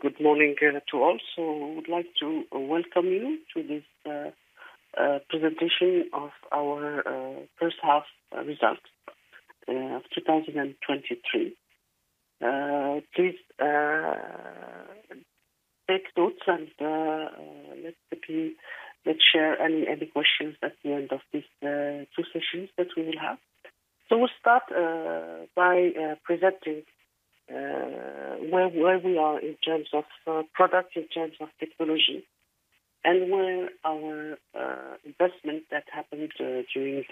Good morning to all. We would like to welcome you to this presentation of our first half results of 2023. Please take notes and let's share any questions at the end of these two sessions that we will have. We'll start by presenting where we are in terms of products, in terms of technology, and where our investment that happened during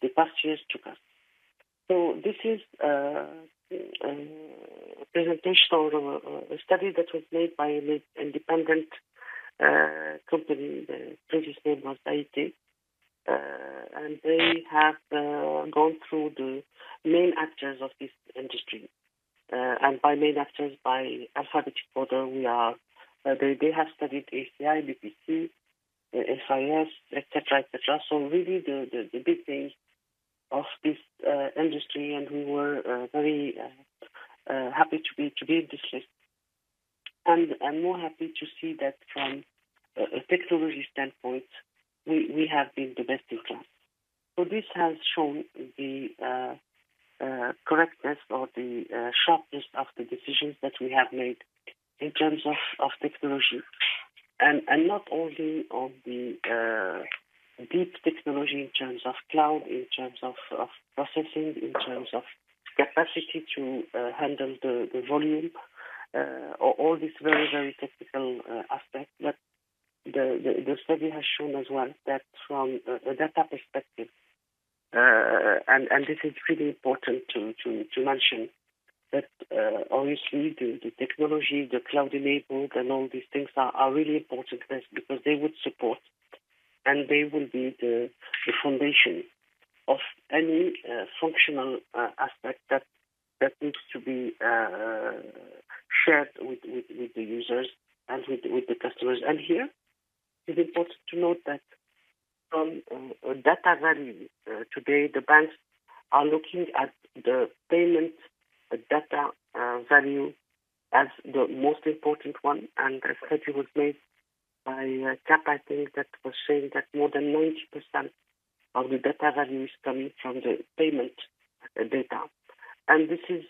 the past years to come. This is a presentation or a study that was made by an independent company. The French's name was Aite. They have gone through the main actors of this industry. By main actors, by alphabetic order, we are... They, they have studied ACI, BPC, FIS, et cetera, et cetera. So really the big things of this industry, and we were very happy to be in this list. And I'm more happy to see that from a technology standpoint, we have been the best in class. So this has shown the correctness or the sharpness of the decisions that we have made in terms of technology, and not only on the deep technology in terms of cloud, in terms of processing, in terms of capacity to handle the volume, all this very, very technical aspect. But the study has shown as well that from a data perspective, and this is really important to mention that, obviously the technology, the cloud-enabled and all these things are really important to us because they would support, and they will be the foundation of any functional aspect that needs to be shared with the users and with the customers. And here, it's important to note that from data value, today, the banks are looking at the payment data value as the most important one. And a study was made by Capgemini, I think, that was saying that more than 90% of the data value is coming from the payment data. This is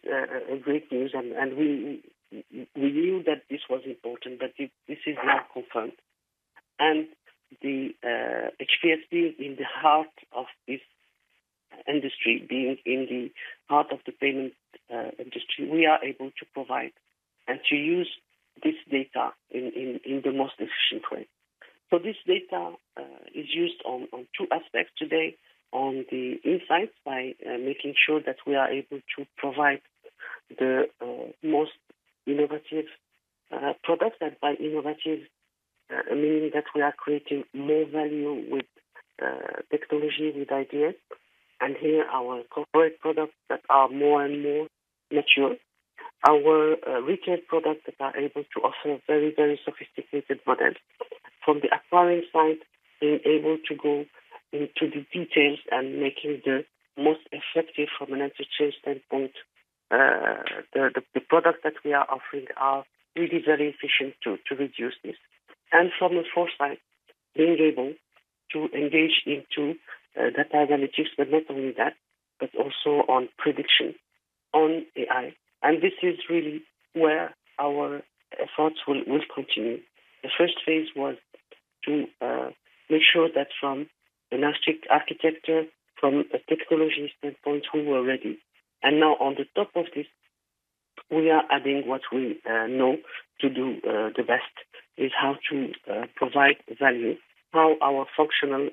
a great news, and we knew that this was important, but this is now confirmed. And the HPS being in the heart of this industry, being in the heart of the payment industry, we are able to provide and to use this data in the most efficient way. So this data is used on two aspects today, on the insights by making sure that we are able to provide the most innovative products. And by innovative, meaning that we are creating more value with technology, with ideas. And here, our corporate products that are more and more mature, our retail products that are able to offer very, very sophisticated models. From the acquiring side, being able to go into the details and making the most effective from an interchange standpoint, the products that we are offering are really very efficient to reduce this. And from a foresight, being able to engage into data analytics, but not only that, but also on prediction on AI. And this is really where our efforts will continue. The first phase was to make sure that from an architecture, from a technology standpoint, we were ready. And now on the top of this, we are adding what we know to do the best, is how to provide value, how our functional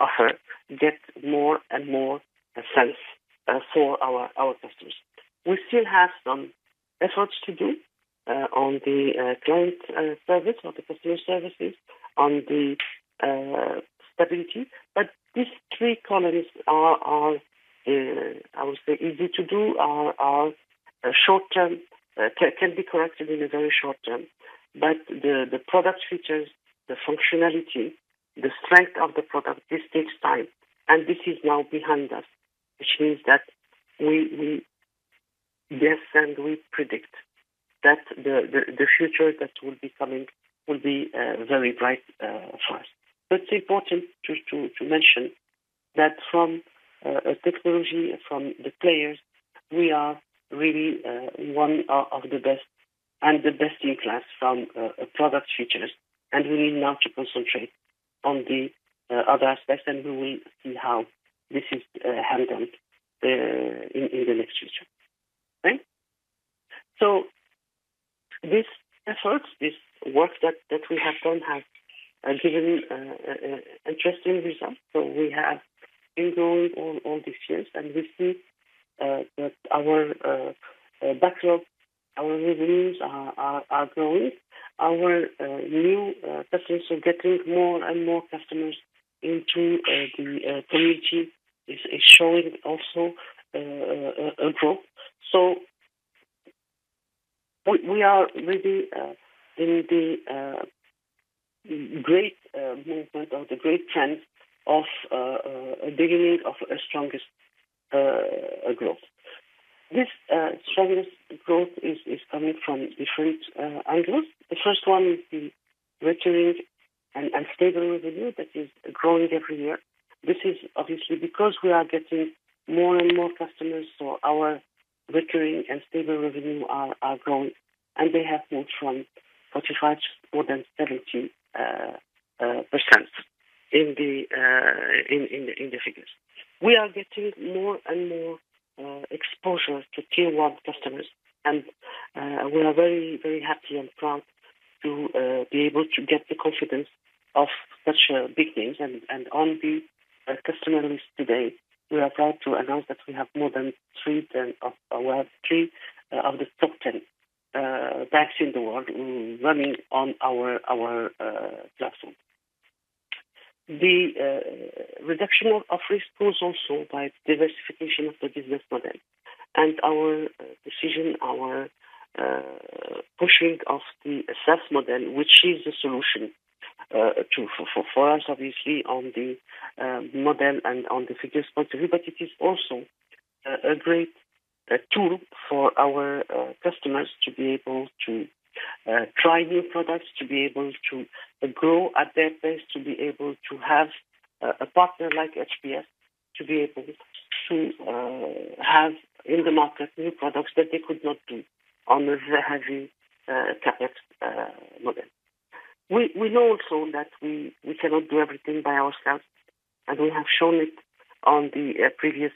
offer get more and more sense for our customers. We still have some efforts to do, on the, client, service or the customer services on the, stability. But these three corners are, I would say, easy to do, are short-term, can be corrected in a very short term. But the product features, the functionality, the strength of the product, this takes time, and this is now behind us, which means that we guess, and we predict that the future that will be coming will be, very bright, for us. It's important to mention that from a technology, from the players, we are really one of the best and the best in class from product features, and we need now to concentrate on the other aspects, and we will see how this is handled in the next future. Right? This effort, this work that we have done has given interesting results. We have been growing all these years, and we see that our backlog, our revenues are growing. Our new customers are getting more and more customers into the community, is showing also a growth. We are really, really... Great movement or the great trend of beginning of a strongest growth. This strongest growth is coming from different angles. The first one is the recurring and stable revenue that is growing every year. This is obviously because we are getting more and more customers, so our recurring and stable revenue are growing, and they have moved from 45% to more than 70% in the figures. We are getting more and more exposure to Tier 1 customers, and we are very, very happy and proud to be able to get the confidence of such big names. On the customer list today, we are proud to announce that we have three of the top 10 banks in the world running on our platform. The reduction of risk goes also by diversification of the business model and our decision, our pushing of the SaaS model, which is the solution to for us obviously on the model and on the figures point of view, but it is also a great tool for our customers to be able to try new products, to be able to grow at their pace, to be able to have a partner like HPS, to be able to have in the market new products that they could not do on the heavy CapEx model. We know also that we cannot do everything by ourselves, and we have shown it on the previous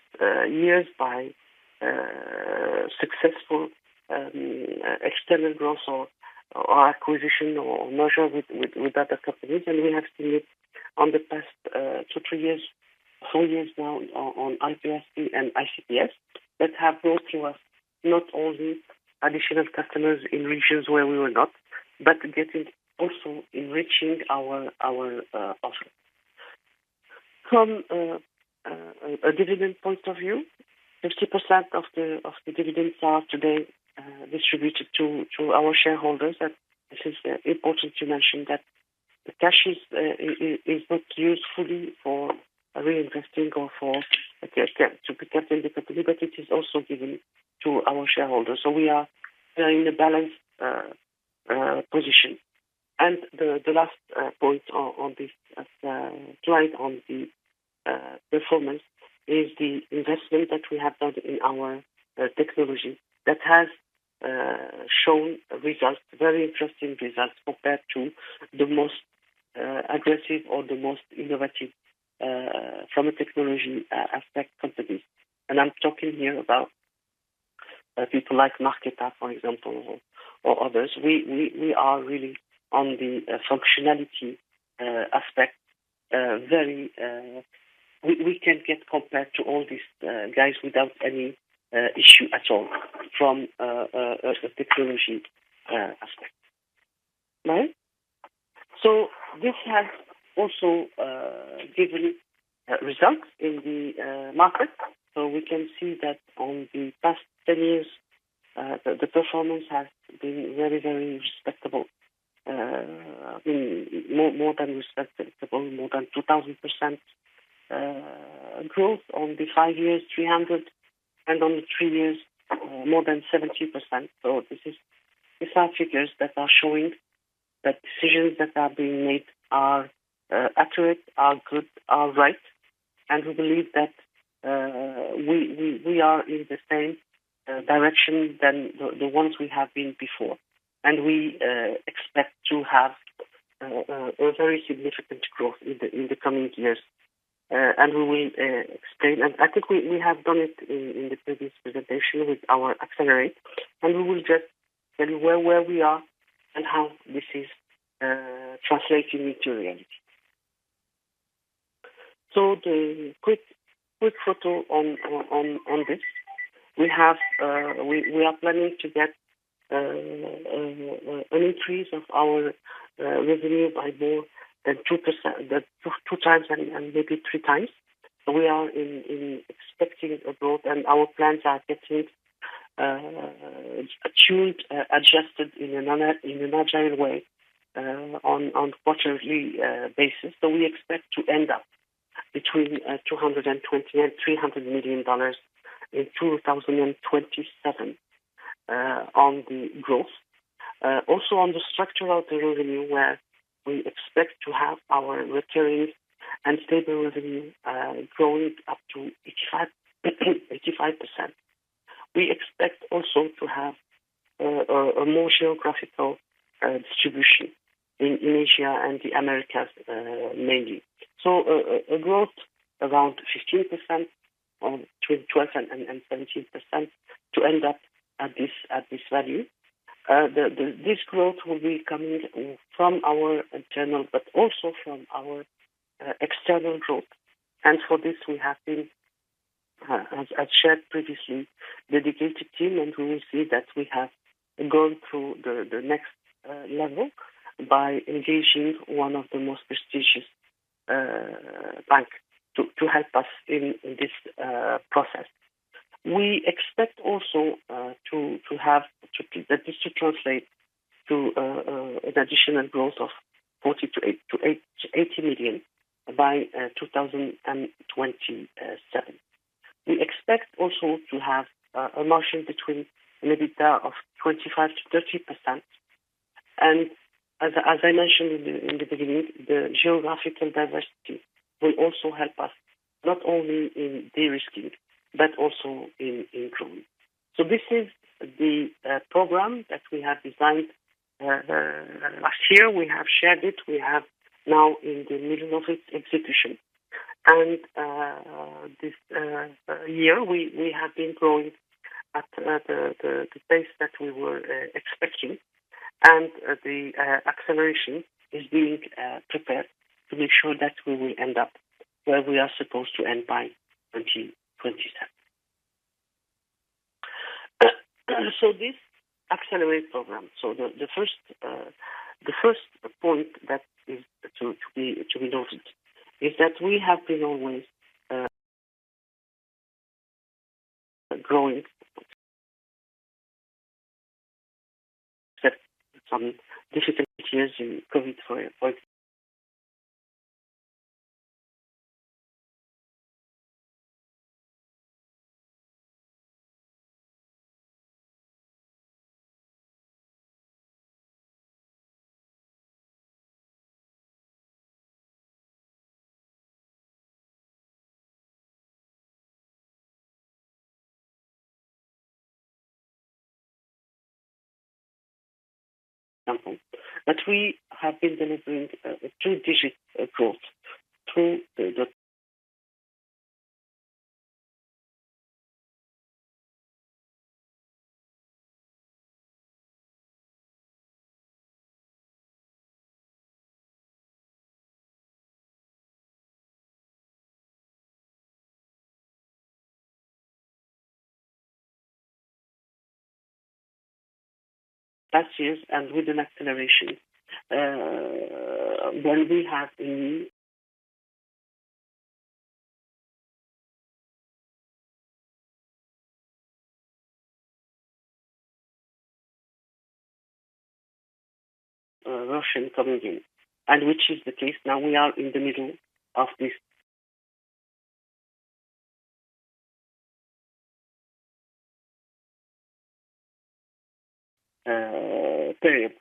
years by successful external growth or acquisition or merger with other companies. And we have seen it on the past two, three years, four years now on IPRC and ICPS, that have brought to us not only additional customers in regions where we were not, but getting also enriching our offering. From a dividend point of view, 50% of the dividends are today distributed to our shareholders. And this is important to mention that the cash is used fully for reinvesting or for to protect the company, but it is also given to our shareholders. So we are in a balanced position. The last point on this slide on the performance is the investment that we have done in our technology that has shown results, very interesting results, compared to the most aggressive or the most innovative, from a technology aspect, companies. I'm talking here about people like Marqeta, for example, or others. We are really on the functionality aspect, very... We can get compared to all these guys without any issue at all from a technology aspect. Right? This has also given results in the market. We can see that on the past 10 years, the performance has been very, very respectable. I mean, more than respectable, more than 2,000% growth. On the five years, 300, and on the three years, more than 70%. So this is, these are figures that are showing that decisions that are being made are accurate, are good, are right, and we believe that we are in the same direction than the ones we have been before. And we expect to have a very significant growth in the coming years. And we will explain. And I think we have done it in the previous presentation with our Accelerate, and we will just tell you where we are and how this is translating into reality. So the quick photo on this. We are planning to get an increase of our revenue by more than 2% than 2x and maybe 3x. So we are expecting a growth, and our plans are getting tuned adjusted in an agile way on quarterly basis. So we expect to end up between $220 million and $300 million in 2027 on the growth. Also on the structure of the revenue, where we expect to have our recurring and stable revenue growing up to 85%. We expect also to have a more geographical distribution in Asia and the Americas mainly. So, a growth around 15% or between 12% and 17% to end up at this value. This growth will be coming from our internal, but also from our external growth. For this, we have been, as shared previously, dedicated team, and we will see that we have gone through the next level by engaging one of the most prestigious bank to help us in this process. We expect also to have that this to translate to an additional growth of $40 million-$80 million by 2027. We expect also to have a margin between an EBITDA of 25%-30%. And as I mentioned in the beginning, the geographical diversity will also help us, not only in de-risking, but also in growth. So this is the program that we have designed last year. We have shared it. We have now in the middle of its execution. And this year, we have been growing at the pace that we were expecting, and the acceleration is being prepared to make sure that we will end up where we are supposed to end by 2027. So this Accelerate program. So the first point that is to be noted is that we have been always growing. Except some difficult years in COVID for example. But we have been delivering a two-digit growth through the... Last years and with an acceleration, where we have a version coming in, and which is the case now. We are in the middle of this period.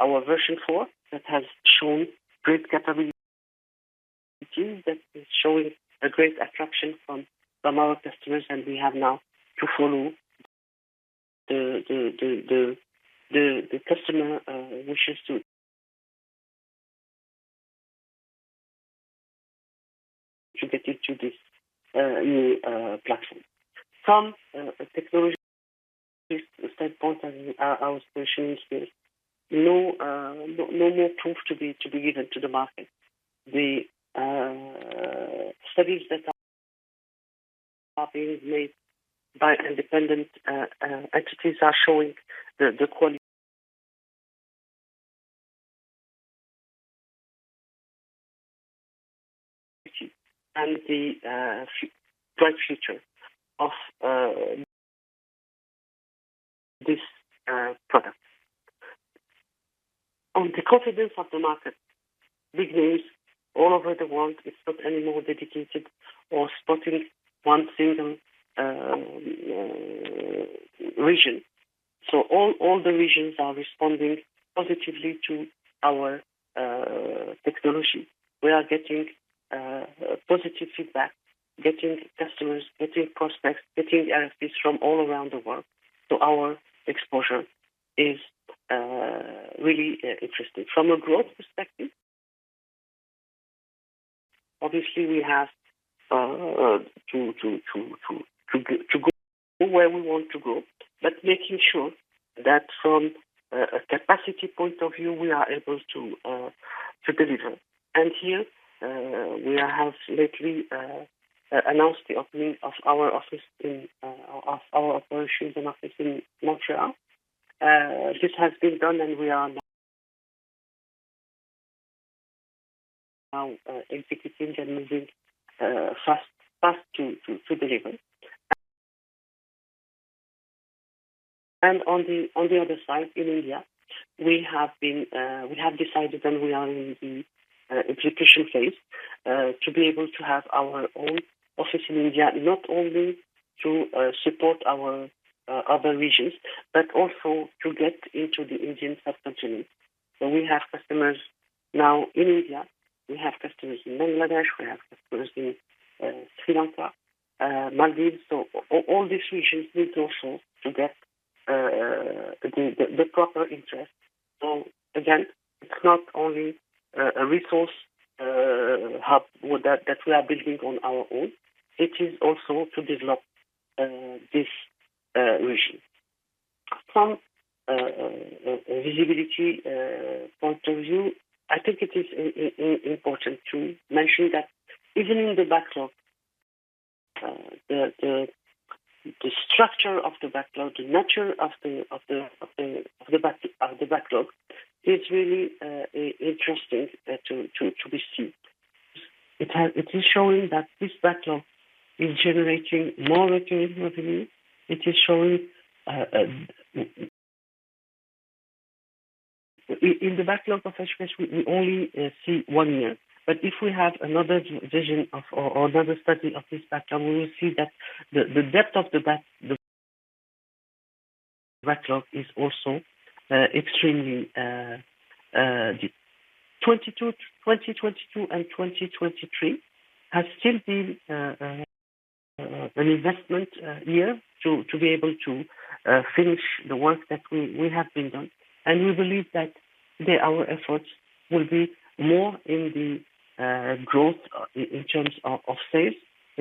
Our version four, that has shown great capability, that is showing a great attraction from our customers, and we have now to follow the customer wishes to get into this new platform. From a technology standpoint and our solution is there's no more proof to be given to the market. The studies that are being made by independent entities are showing the quality and the bright future of this product. On the confidence of the market, big news all over the world, it's not anymore dedicated or spotting one single region. So all the regions are responding positively to our technology. We are getting positive feedback, getting customers, getting prospects, getting RFPs from all around the world. So our exposure is really interesting. From a growth perspective, obviously, we have to go where we want to go, but making sure that from a capacity point of view, we are able to deliver. And here, we have lately announced the opening of our operations and office in Montreal. This has been done and we are now executing and moving fast to deliver. On the other side, in India, we have been, we have decided and we are in the execution phase to be able to have our own office in India, not only to support our other regions, but also to get into the Indian subcontinent. We have customers now in India, we have customers in Bangladesh, we have customers in Sri Lanka, Maldives. All these regions need also to get the proper interest. Again, it's not only a resource hub that we are building on our own, it is also to develop this region. From a visibility point of view, I think it is important to mention that even in the backlog... The structure of the backlog, the nature of the backlog is really interesting to be seen. It is showing that this backlog is generating more revenue. It is showing in the backlog of HPS, we only see one year, but if we have another vision of, or another study of this backlog, we will see that the depth of the backlog is also extremely. 2022 and 2023 has still been an investment year to be able to finish the work that we have been done. We believe that today our efforts will be more in the growth in terms of sales,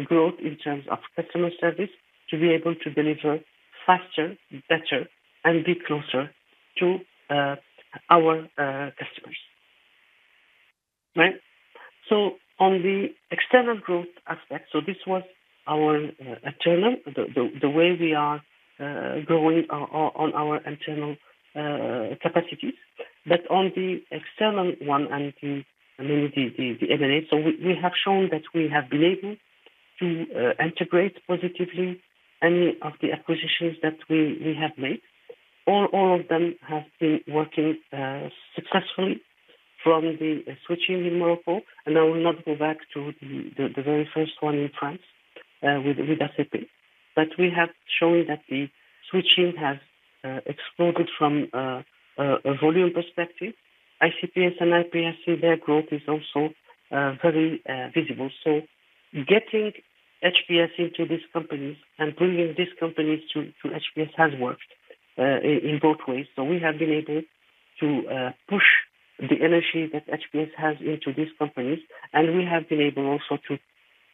growth in terms of customer service, to be able to deliver faster, better and be closer to our customers. Right. So on the external growth aspect, so this was our internal, the way we are growing on our internal capacities, but on the external one and the, I mean, the M&A. So we have shown that we have been able to integrate positively any of the acquisitions that we have made, or all of them have been working successfully from the switching in Morocco, and I will not go back to the very first one in France with ACP. But we have shown that the switching has exploded from a volume perspective. ICPS and IPRC, their growth is also very visible. So getting HPS into these companies and bringing these companies to HPS has worked in both ways. So we have been able to push the energy that HPS has into these companies, and we have been able also to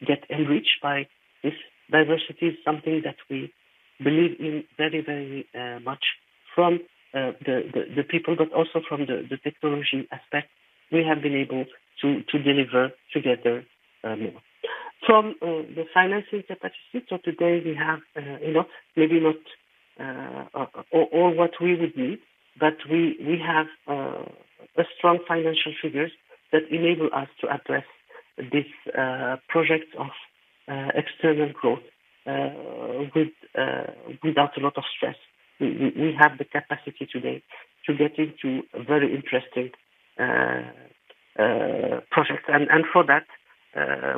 get enriched by this diversity, is something that we believe in very, very much from the people, but also from the technology aspect, we have been able to deliver together, you know. From the financing capacity, today we have, you know, maybe not what we would need, but we have strong financial figures that enable us to address this project of external growth without a lot of stress. We have the capacity today to get into very interesting projects. For that,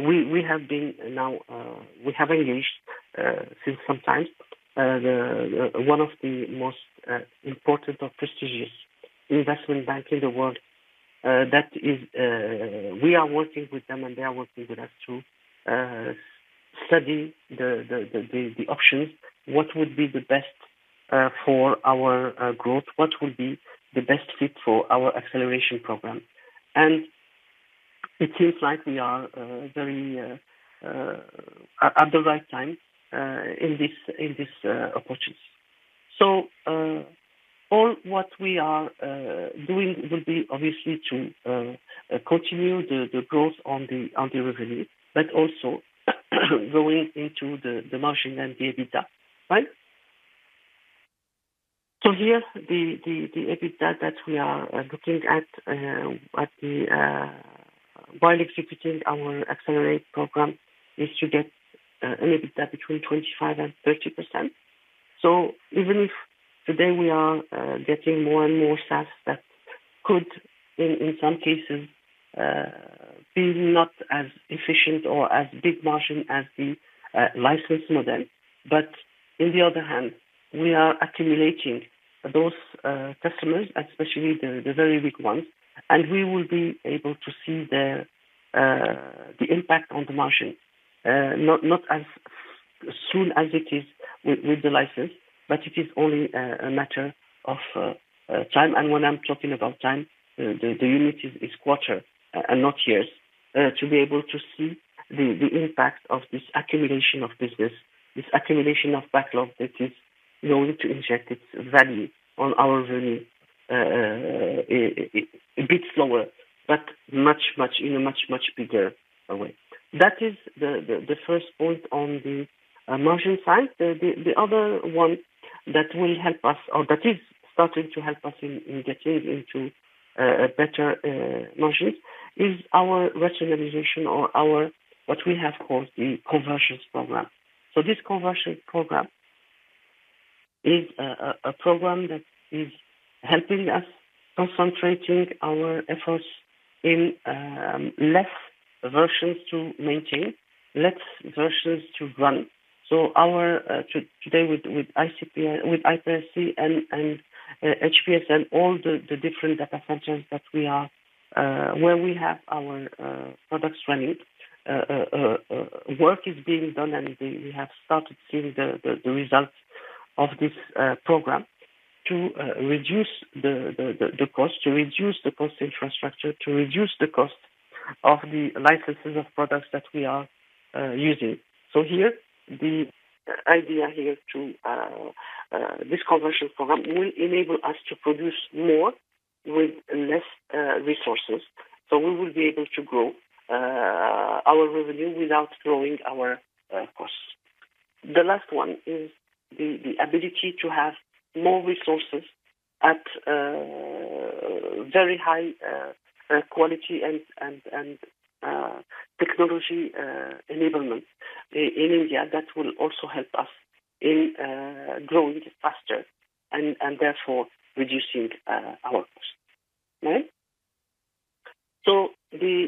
we have been now, we have engaged since some time, one of the most important or prestigious investment bank in the world, that is, we are working with them, and they are working with us to study the options, what would be the best for our growth, what would be the best fit for our acceleration program. It seems like we are very at the right time in this opportunities. So all what we are doing will be obviously to continue the growth on the revenue, but also going into the margin and the EBITDA, right? So here the EBITDA that we are looking at while executing our Accelerate program is to get an EBITDA between 25% and 30%. Even if today we are getting more and more SaaS, that could, in some cases, be not as efficient or as big margin as the license model, in the other hand, we are accumulating those customers, especially the very weak ones, and we will be able to see the impact on the margin, not as soon as it is with the license, but it is only a matter of time. When I'm talking about time, the unit is quarter and not years, to be able to see the impact of this accumulation of business, this accumulation of backlog that is going to inject its value on our revenue, a bit slower, but in a much, much bigger way. That is the first point on the margin side. The other one that will help us or that is starting to help us in getting into a better margins is our rationalization or our what we have called the conversions program. So this conversion program is a program that is helping us concentrating our efforts in less versions to maintain, less versions to run. Today with ICPS, with IPRC and HPS and all the different data centers that we are, where we have our products running, work is being done, and we have started seeing the results of this program to reduce the cost, to reduce the cost infrastructure, to reduce the cost of the licenses of products that we are using. Here, the idea here, this conversion program will enable us to produce more with fewer resources. We will be able to grow our revenue without growing our costs. The last one is the ability to have more resources at very high quality and technology enablement in India. That will also help us in growing faster and therefore reducing our costs. Okay? So the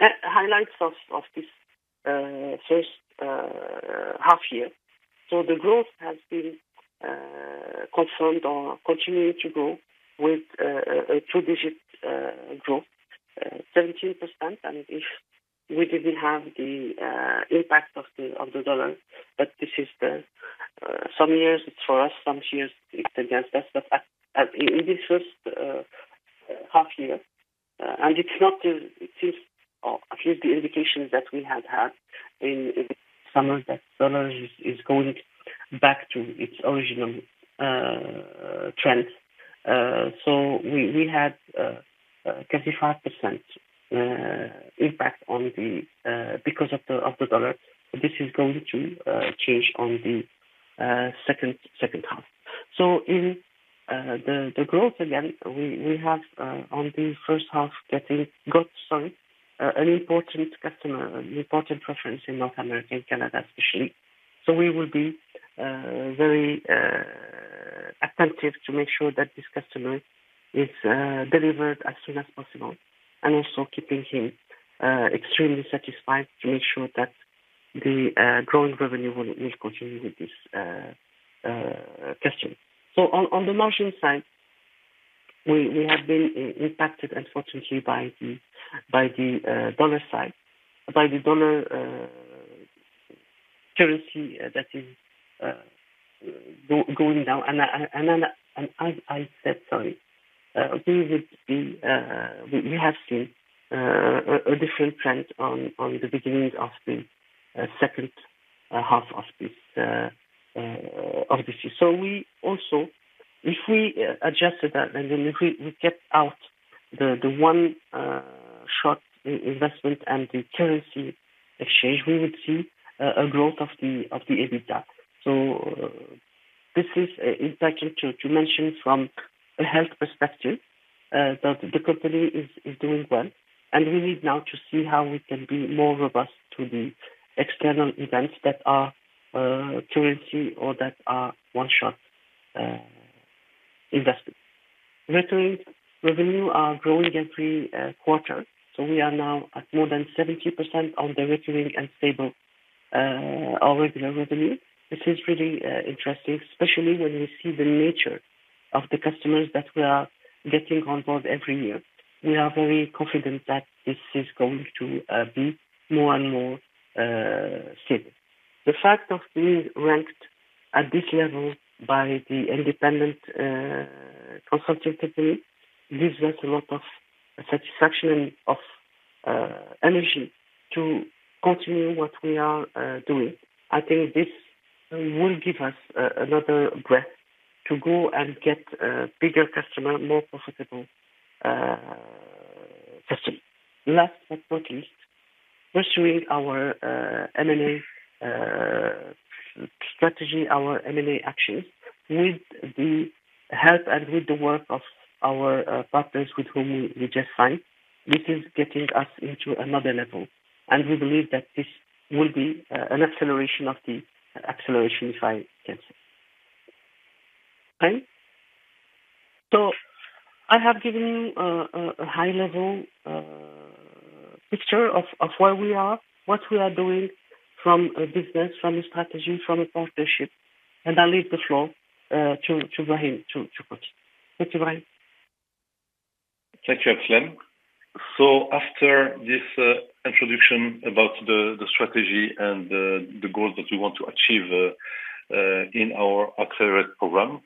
highlights of this first half year. So the growth has been confirmed or continued to grow with a two-digit growth, 17%. And if we didn't have the impact of the U.S. dollar, but this is the, some years it's for us, some years it's against us. But in this first half year, and it's not the... It is, I think the indications that we had had in the summer, that the U.S. dollar is going back to its original trend. So we had 35% impact on the because of the U.S. dollar. This is going to change on the second half. In the growth, again, we have, on the first half, got an important customer, an important reference in North America and Canada especially. We will be very attentive to make sure that this customer is delivered as soon as possible, and also keeping him extremely satisfied to make sure that the growing revenue will continue with this customer. On the margin side, we have been impacted, unfortunately, by the dollar currency that is going down. As I said, I think we have seen a different trend on the beginnings of the second half of this year. So we also, if we adjusted that and then if we, we kept out the, the one-off short investment and the currency exchange, we would see a growth of the, of the EBITDA. So this is, in fact, to mention from a health perspective, that the company is doing well, and we need now to see how we can be more robust to the external events that are currency or that are one-shot investments. Recurring revenue are growing every quarter, so we are now at more than 70% on the recurring and stable our regular revenue. This manner is really interesting, especially when we see the nature of the customers that we are getting on board every year. We are very confident that this is going to be more and more stable. The fact of being ranked at this level by the independent, consulting company gives us a lot of satisfaction and of energy to continue what we are doing. I think this will give us another breath to go and get bigger customer, more profitable customer. Last but not least, pursuing our M&A strategy, our M&A actions with the help and with the work of our partners with whom we just signed, this is getting us into another level. We believe that this will be an acceleration of the acceleration, if I can say. I have given you a high-level picture of where we are, what we are doing from a business, from a strategy, from a partnership, and I leave the floor to Brahim to continue. Thank you, Brahim. Thank you, Abdeslam. So after this introduction about the strategy and the goals that we want to achieve in our Accelerate program,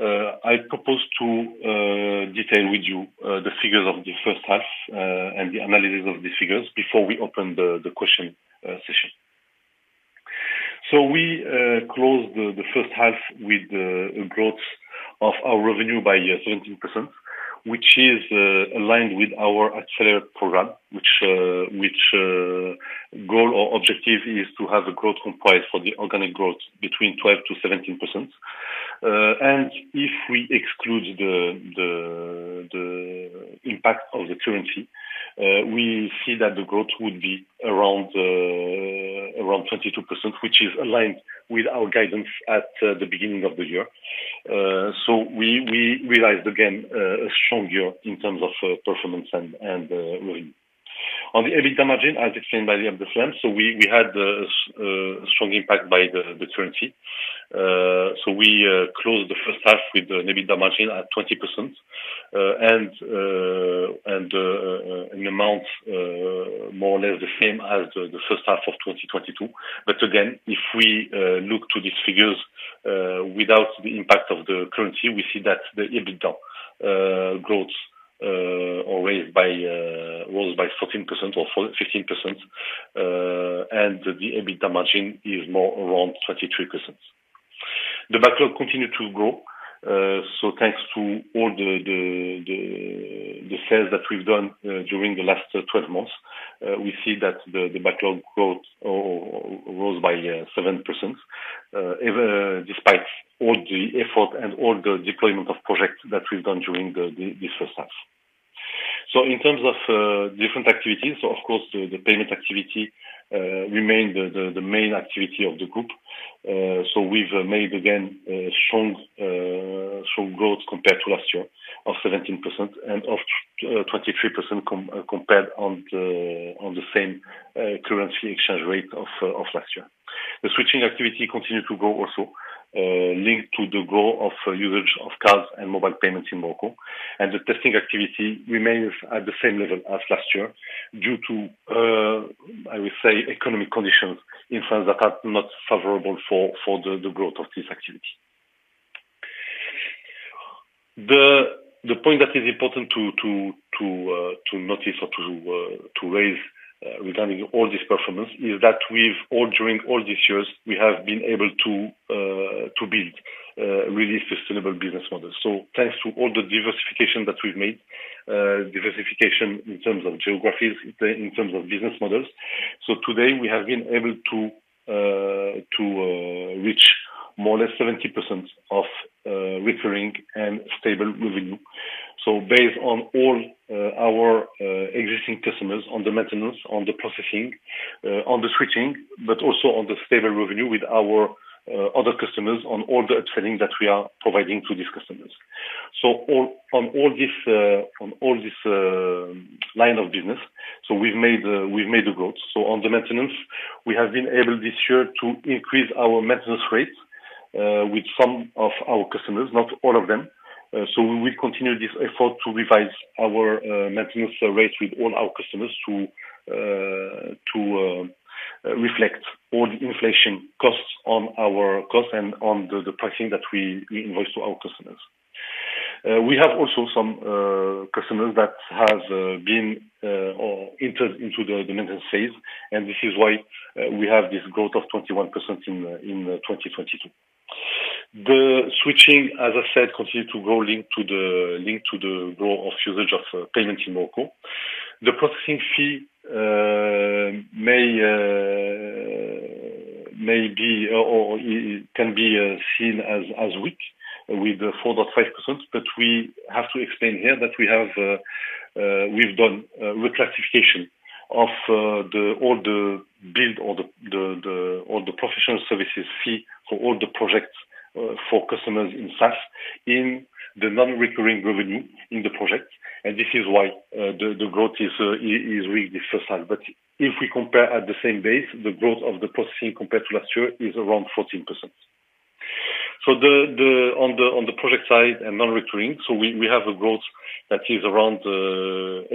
I propose to detail with you the figures of the first half and the analysis of the figures before we open the question session. So we closed the first half with a growth of our revenue by 17%, which is aligned with our Accelerate program, which goal or objective is to have a growth comprised for the organic growth between 12%-17%. And if we exclude the impact of the currency, we see that the growth would be around 22%, which is aligned with our guidance at the beginning of the year. So we realized again a strong year in terms of performance and revenue. On the EBITDA margin, as explained by Abdeslam, so we had a strong impact by the currency. So we closed the first half with the EBITDA margin at 20%. And an amount more or less the same as the first half of 2022. But again, if we look to these figures without the impact of the currency, we see that the EBITDA growth always by grows by 14% or 15%, and the EBITDA margin is more around 23%. The backlog continued to grow, so thanks to all the sales that we've done during the last 12 months, we see that the backlog growth rose by 7%, even despite all the effort and all the deployment of projects that we've done during this first half. So in terms of different activities, so of course, the payment activity remained the main activity of the group. So we've made again a strong growth compared to last year of 17% and of 23% compared on the same currency exchange rate of last year. The switching activity continued to grow, also, linked to the growth of usage of cards and mobile payments in Morocco, and the testing activity remains at the same level as last year, due to, I would say, economic conditions in France that are not favorable for the growth of this activity. The point that is important to notice or to raise, regarding all this performance is that we've all during all these years, we have been able to build a really sustainable business model. So thanks to all the diversification that we've made, diversification in terms of geographies, in terms of business models. So today we have been able to reach more or less 70% of recurring and stable revenue. So based on all, our, existing customers, on the maintenance, on the processing, on the switching, but also on the stable revenue with our, other customers on all the upselling that we are providing to these customers. So on, on all this, on all this, line of business, so we've made a, we've made a growth. So on the maintenance, we have been able this year to increase our maintenance rates, with some of our customers, not all of them. So we will continue this effort to revise our, maintenance rates with all our customers to, to, reflect all the inflation costs on our costs and on the, the pricing that we, we invoice to our customers. We have also some customers that has been or entered into the maintenance phase, and this is why we have this growth of 21% in 2022. The switching, as I said, continued to grow linked to the growth of usage of payment in Morocco. The processing fee may be or can be seen as weak with the 4.5%. But we have to explain here that we've done reclassification of all the billable professional services fee for all the projects for customers in SaaS, in the non-recurring revenue in the project. And this is why the growth is really fragile. If we compare at the same base, the growth of the processing compared to last year is around 14%. On the project side and non-recurring, we have a growth that is around 80%,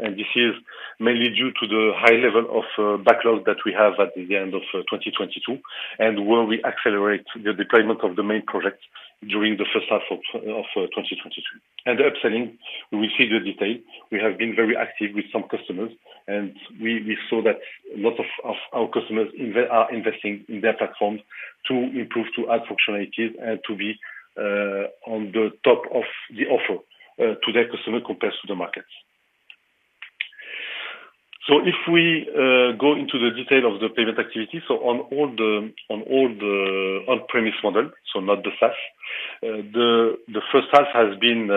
and this is mainly due to the high level of backlog that we have at the end of 2022, where we accelerate the deployment of the main projects during the first half of 2023. The upselling, we see the detail. We have been very active with some customers and we saw that a lot of our customers are investing in their platforms to improve, to add functionalities, and to be on the top of the offer to their customer compared to the markets. So if we go into the detail of the payment activity, so on all the on-premise model, so not the SaaS, the first half has been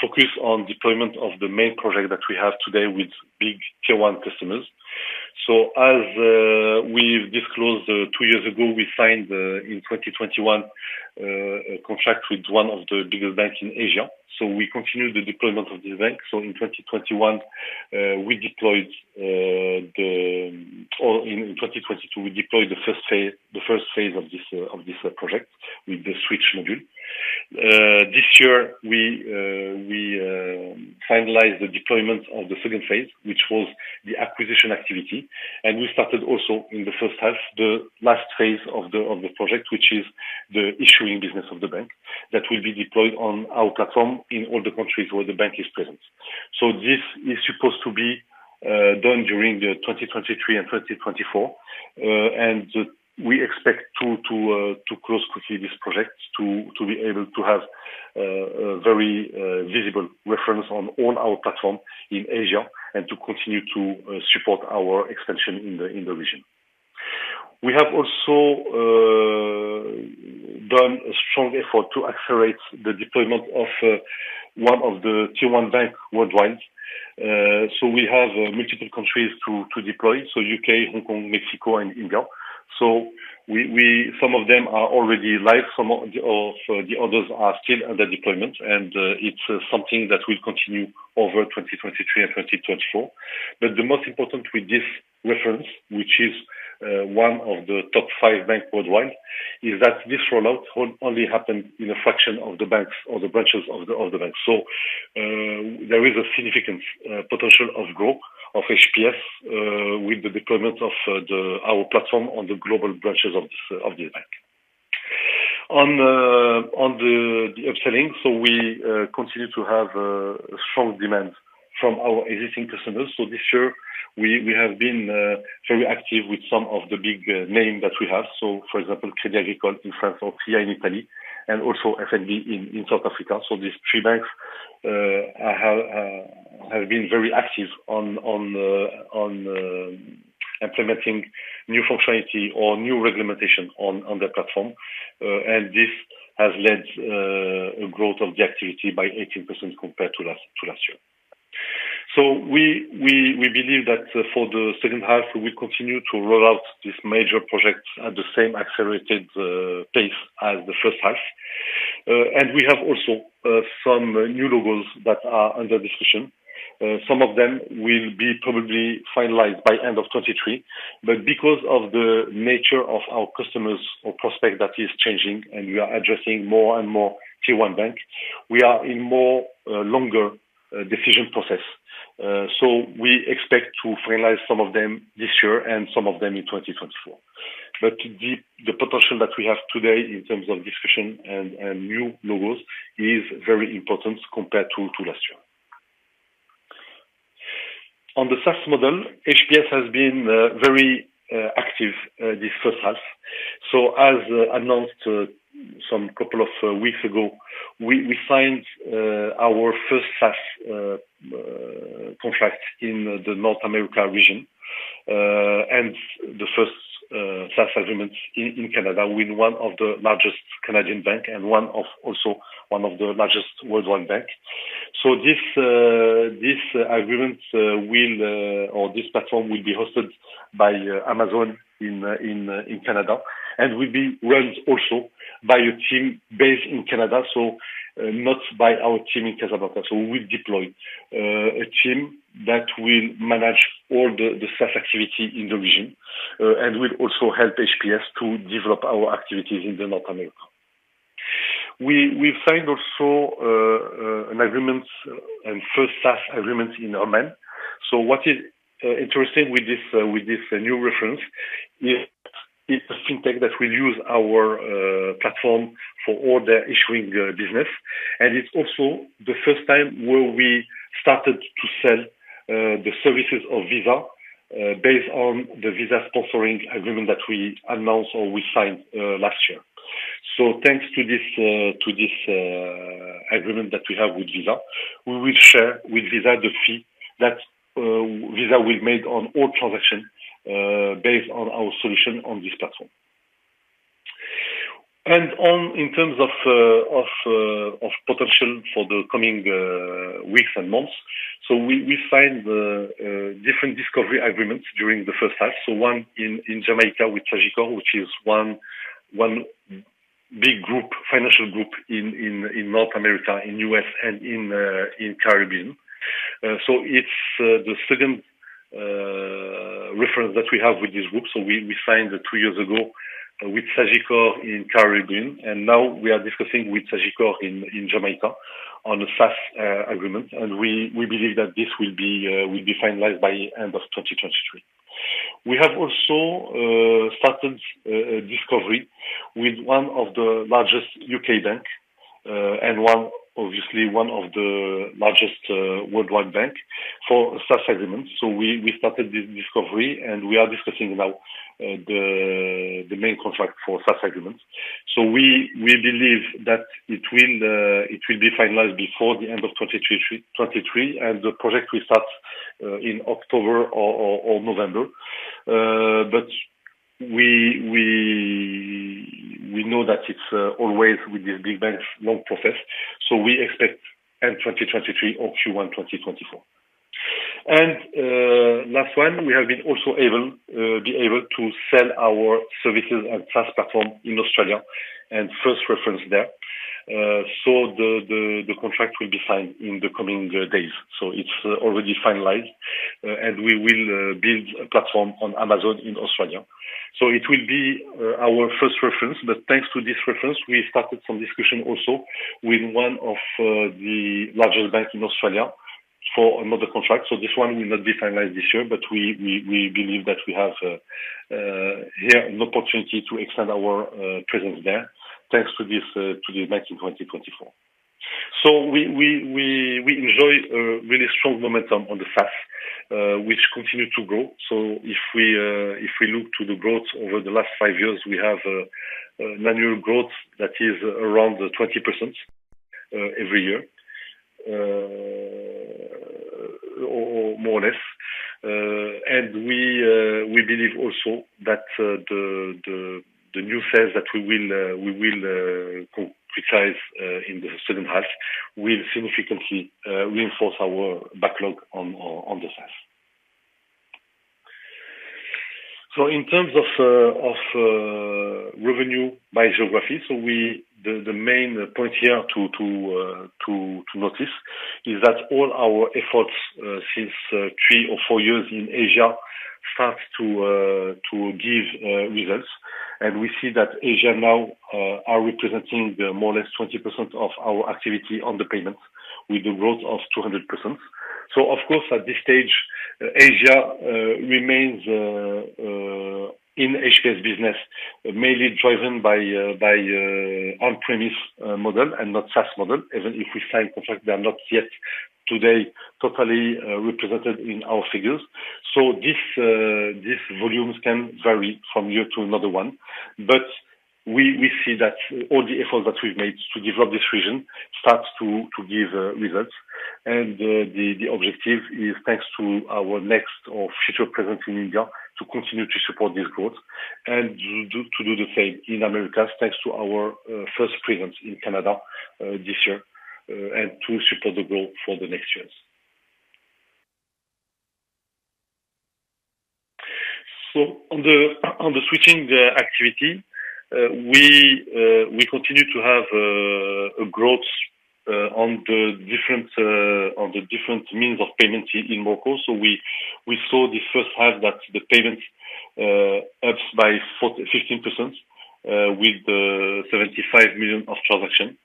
focused on deployment of the main project that we have today with big Tier 1 customers. So as we've disclosed, two years ago, we signed in 2021 a contract with one of the biggest banks in Asia. So we continued the deployment of this bank. So in 2021, we deployed the... or in 2022, we deployed the first phase of this project with the switch module. This year, we finalized the deployment of the second phase, which was the acquisition activity, and we started also in the first half, the last phase of the project, which is the issuing business of the bank, that will be deployed on our platform in all the countries where the bank is present. So this is supposed to be done during 2023 and 2024. And we expect to close quickly this project to be able to have a very visible reference on all our platform in Asia and to continue to support our expansion in the region. We have also done a strong effort to accelerate the deployment of one of the Tier 1 banks worldwide. So we have multiple countries to deploy. U.K., Hong Kong, Mexico and India. We, we, some of them are already live, some of the others are still under deployment. It's something that will continue over 2023 and 2024. The most important with this reference, which is one of the top five banks worldwide, is that this rollout only happened in a fraction of the banks or the branches of the bank. There is a significant potential of growth of HPS with the deployment of our platform on the global branches of this bank. On the upselling, we continue to have a strong demand from our existing customers. This year, we have been very active with some of the big names that we have. So for example, Crédit Agricole in France or CA in Italy, and also FNB in South Africa. So these three banks have been very active on implementing new functionality or new regulation on the platform. And this has led a growth of the activity by 18% compared to last year. So we believe that for the second half, we continue to roll out this major project at the same accelerated pace as the first half. And we have also some new logos that are under discussion. Some of them will be probably finalized by end of 2023, but because of the nature of our customers or prospect that is changing and we are addressing more and more Tier 1 bank, we are in more longer decision process. So we expect to finalize some of them this year and some of them in 2024. But the potential that we have today in terms of discussion and new logos is very important compared to last year. On the SaaS model, HPS has been very active this first half. So as announced some couple of weeks ago, we signed our first SaaS contract in the North America region and the first SaaS agreement in Canada with one of the largest Canadian bank and one of also one of the largest worldwide bank. So this agreement or this platform will be hosted by Amazon in Canada and will be run also by a team based in Canada, so not by our team in Casablanca. We deployed a team that will manage all the SaaS activity in the region and will also help HPS to develop our activities in North America. We find also an agreement and first SaaS agreement in Oman. What is interesting with this new reference is, it's a FinTech that will use our platform for all the issuing business. It's also the first time where we started to sell the services of Visa, based on the Visa sponsoring agreement that we announced or we signed last year. Thanks to this agreement that we have with Visa, we will share with Visa the fee that Visa will make on all transactions, based on our solution on this platform. In terms of potential for the coming weeks and months, we find different discovery agreements during the first half. One in Jamaica with Sagicor Group Jamaica, which is one big financial group in North America, in the U.S., and in the Caribbean. It's the second reference that we have with this group. We signed two years ago with Sagicor Group Jamaica in the Caribbean, and now we are discussing with Sagicor Group Jamaica in Jamaica on a SaaS agreement, and we believe that this will be finalized by end of 2023. We have also started a discovery with one of the largest U.K. banks, and obviously one of the largest worldwide banks, for a SaaS agreement. So we started this discovery, and we are discussing now the main contract for SaaS agreement. So we believe that it will be finalized before the end of 2023, and the project will start in October or November. But we know that it's always with the big bank, long process, so we expect end of 2023 or Q1 2024. Last one, we have been also able to sell our services and SaaS platform in Australia and first reference there. So the contract will be signed in the coming days. So it's already finalized, and we will build a platform on Amazon in Australia. It will be our first reference, but thanks to this reference, we started some discussion also with one of the largest banks in Australia for another contract. This one will not be finalized this year, but we believe that we have here an opportunity to extend our presence there, thanks to this, to the 2019-2024. We enjoy a really strong momentum on the SaaS, which continues to grow. If we look to the growth over the last five years, we have annual growth that is around 20% every year, or more or less. We believe also that the new sales that we will concretize in the second half will significantly reinforce our backlog on the SaaS. So in terms of revenue by geography, the main point here to notice is that all our efforts since three or four years in Asia start to give results. We see that Asia now are representing more or less 20% of our activity on the payments with the growth of 200%. So of course, at this stage, Asia remains in HPS business, mainly driven by on-premise model and not SaaS model. Even if we sign contract, they are not yet today totally represented in our figures. So this volumes can vary from year to another one. But we see that all the effort that we've made to develop this region starts to give results. And the objective is thanks to our next or future presence in India, to continue to support this growth and do the same in Americas, thanks to our first presence in Canada this year, and to support the growth for the next years. So on the switching activity, we continue to have a growth on the different means of payments in Morocco. We saw the first half that the payments ups by 45% with MAD 75 million of transaction.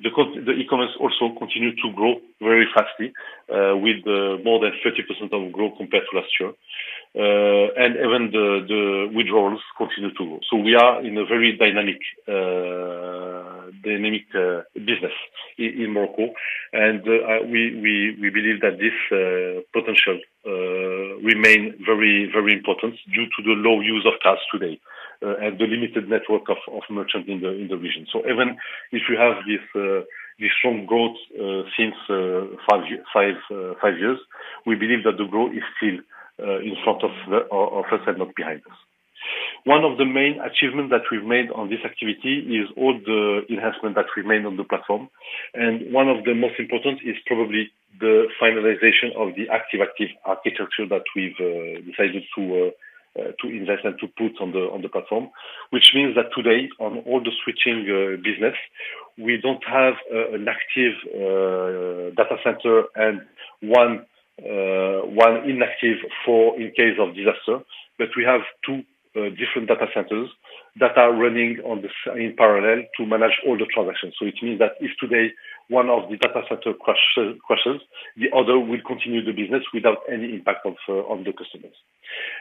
The e-commerce also continued to grow very fastly, with more than 30% of growth compared to last year, and even the withdrawals continue to grow. We are in a very dynamic, dynamic business in Morocco, and we believe that this potential remain very, very important due to the low use of cash today and the limited network of merchants in the region. Even if you have this strong growth since five years, we believe that the growth is still in front of us and not behind us. One of the main achievements that we've made on this activity is all the enhancement that remain on the platform, and one of the most important is probably the finalization of the Active/Active architecture that we've decided to invest and to put on the platform. Which means that today, on all the switching business, we don't have an active data center and one inactive for in case of disaster. But we have two different data centers that are running in parallel to manage all the transactions. So it means that if today, one of the data center crashes, the other will continue the business without any impact of on the customers.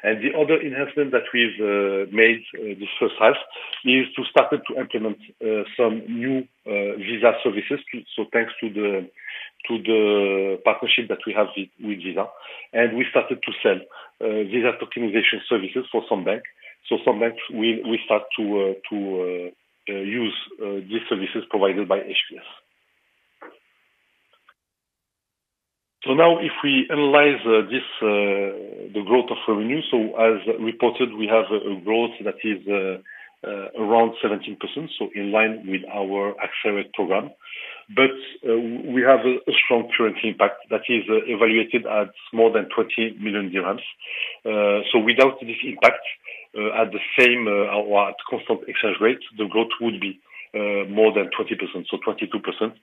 And the other enhancement that we've made this first half is to start to implement some new Visa services. So thanks to the partnership that we have with Visa, and we started to sell Visa optimization services for some bank. So some banks will start to use these services provided by HPS. So now if we analyze this, the growth of revenue, so as reported, we have a growth that is around 17%, so in line with our Accelerate program. But we have a strong currency impact that is evaluated at more than MAD 20 million. So without this impact, at the same or at constant exchange rate, the growth would be more than 20%. So 22%,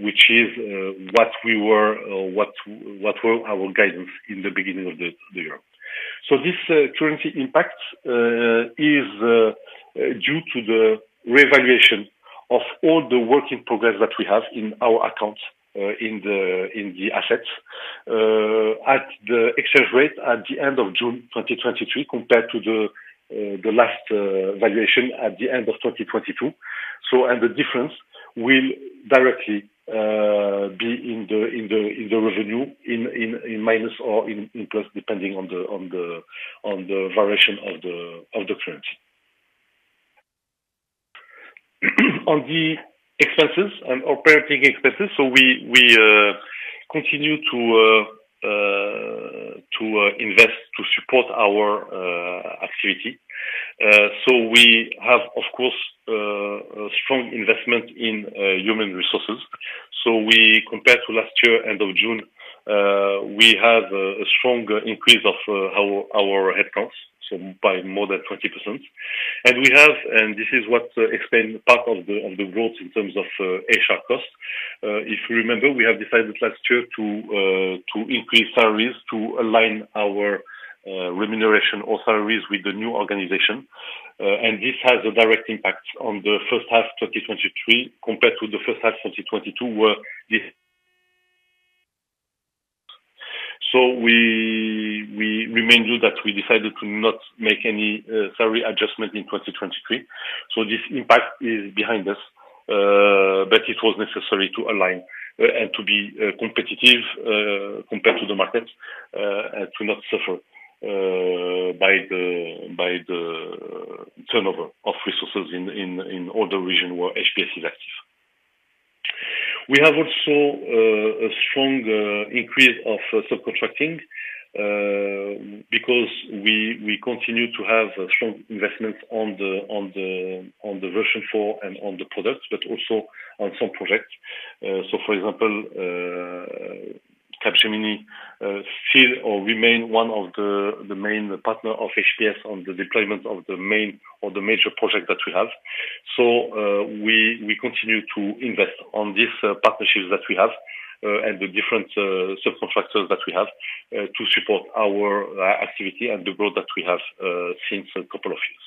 which is what we were, or what our guidance in the beginning of the year. So this currency impact is due to the revaluation of all the work in progress that we have in our accounts, in the assets. At the exchange rate at the end of June 2023, compared to the last valuation at the end of 2022. So, and the difference will directly be in the revenue, in minus or in plus, depending on the variation of the currency. On the expenses and operating expenses, so we continue to invest to support our activity. So we have, of course, a strong investment in human resources. So compared to last year, end of June, we have a strong increase of our headcounts, so by more than 20%. And we have, and this is what explain part of the growth in terms of HR costs. If you remember, we have decided last year to increase salaries, to align our remuneration or salaries with the new organization. And this has a direct impact on the first half 2023, compared to the first half 2022, where this... So we remind you that we decided to not make any salary adjustment in 2023. This impact is behind us, but it was necessary to align, and to be competitive compared to the market, and to not suffer by the turnover of resources in all the region where HPS is active. We have also a strong increase of subcontracting, because we continue to have a strong investment on the version 4 and on the products, but also on some projects. For example, Capgemini still remains one of the main partners of HPS on the deployment of the main or the major project that we have. So, we continue to invest on this partnerships that we have and the different subcontractors that we have to support our activity and the growth that we have since a couple of years.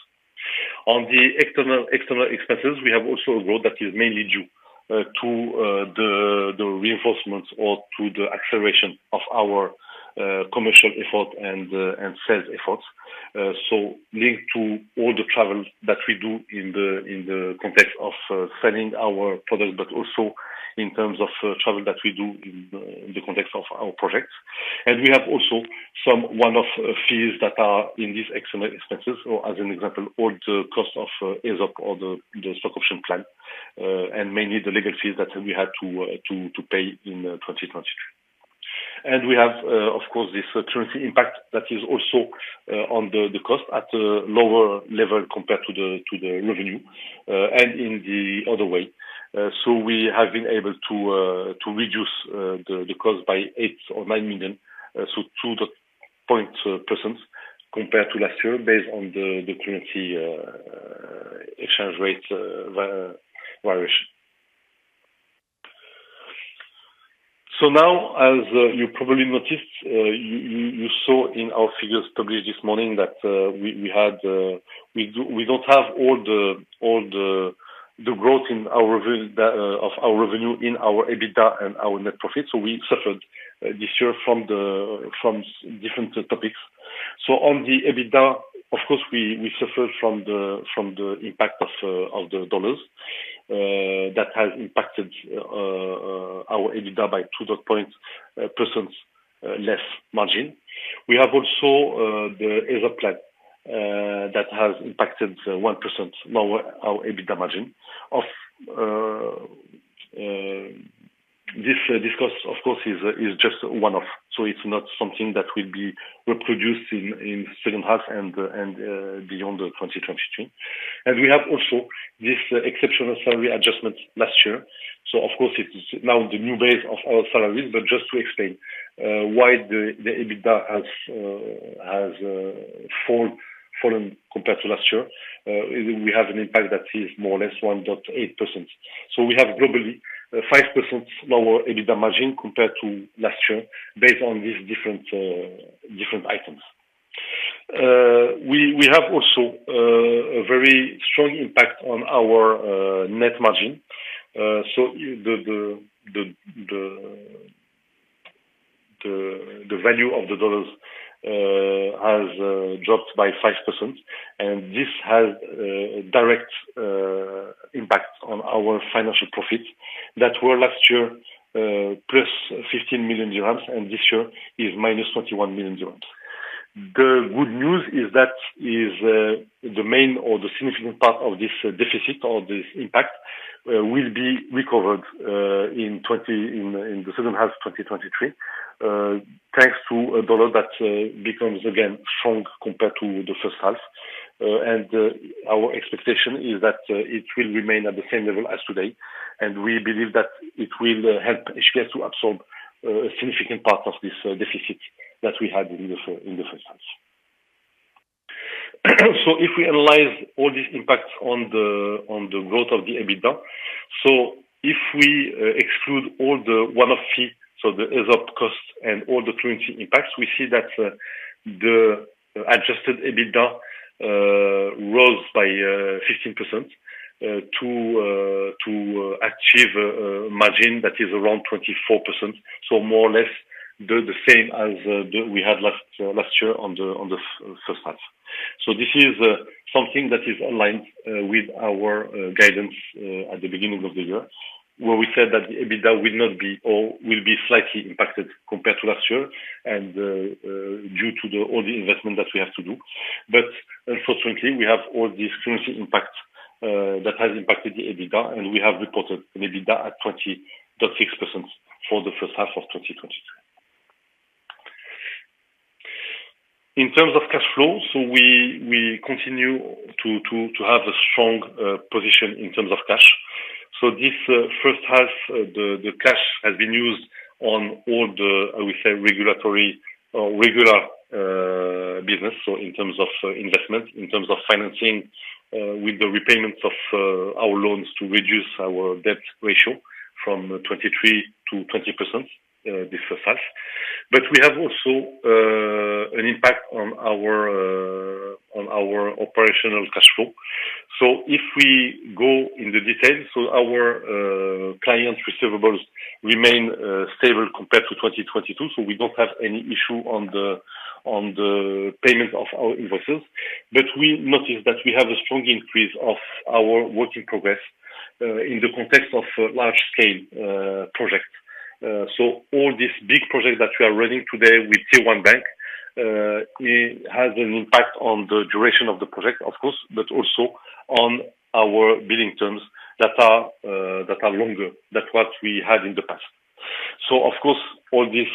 On the external expenses, we have also a growth that is mainly due to the reinforcements or to the acceleration of our commercial effort and sales efforts. So linked to all the travel that we do in the context of selling our products, but also in terms of travel that we do in the context of our projects. We have also some one-off fees that are in these external expenses, or as an example, all the cost of ESOP or the stock option plan, and mainly the legal fees that we had to pay in 2022. We have, of course, this currency impact that is also on the cost at a lower level compared to the revenue, and in the other way. So we have been able to reduce the cost by MAD 8 million-MAD 9 million, so 2% compared to last year based on the currency exchange rate variation. As you probably noticed, you saw in our figures published this morning that we don't have all the growth in our revenue, in our EBITDA, and our net profit. We suffered this year from different topics. On the EBITDA, of course, we suffered from the impact of the U.S. dollar that has impacted our EBITDA by 2% less margin. We have also the ESOP plan that has impacted 1% lower our EBITDA margin. This cost, of course, is just one-off, so it's not something that will be reproduced in the second half and beyond 2022. We have also this exceptional salary adjustment last year. Of course, it is now the new base of our salaries. Just to explain why the EBITDA has fallen compared to last year, we have an impact that is more or less 1.8%. We have globally 5% lower EBITDA margin compared to last year based on these different items. We have also a very strong impact on our net margin. The value of the dollars has dropped by 5%, and this has direct impact on our financial profits that were last year +MAD 15 million, and this year is -MAD 21 million. The good news is that the main or the significant part of this deficit or this impact will be recovered in the second half of 2023, thanks to a dollar that becomes again strong compared to the first half. Our expectation is that it will remain at the same level as today, and we believe that it will help HPS to absorb a significant part of this deficit that we had in the first half. So if we analyze all these impacts on the growth of the EBITDA, so if we exclude all the one-off fee, so the ESOP cost and all the currency impacts, we see that the adjusted EBITDA rose by 15% to achieve a margin that is around 24%. So more or less the same as we had last year on the first half. So this is something that is in line with our guidance at the beginning of the year, where we said that the EBITDA will not be or will be slightly impacted compared to last year and due to all the investment that we have to do. But unfortunately, we have all these currency impact that has impacted the EBITDA, and we have reported an EBITDA at 20.6% for the first half of 2022. In terms of cash flow, so we continue to have a strong position in terms of cash. So this first half, the cash has been used on all the, I will say, regulatory or regular business. So in terms of investment, in terms of financing, with the repayments of our loans to reduce our debt ratio from 23%-20%, this first half. But we have also an impact on our operational cash flow. So if we go in the details, our client receivables remain stable compared to 2022. We don't have any issue on the payment of our invoices. We noticed that we have a strong increase of our work in progress in the context of large scale projects. All these big projects that we are running today with Tier 1 Bank, it has an impact on the duration of the project, of course, but also on our billing terms that are longer than what we had in the past. Of course, all this